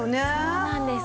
そうなんです。